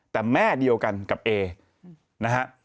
แต่แม่เดียวกันกับเอนะฮะ